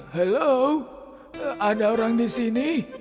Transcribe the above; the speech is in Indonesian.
halo ada orang di sini